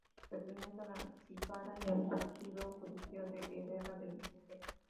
Pertenece a la de Cijara y al Partido judicial de Herrera del Duque.